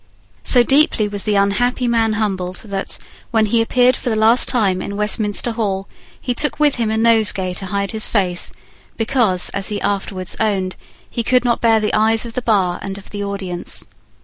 So deeply was the unhappy man humbled that, when he appeared for the last time in Westminster Hall he took with him a nosegay to hide his face, because, as he afterwards owned, he could not bear the eyes of the bar and of the audience.